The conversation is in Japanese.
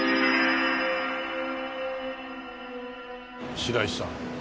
白石さん